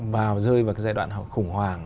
vào rơi vào giai đoạn khủng hoảng